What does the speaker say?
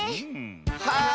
はい！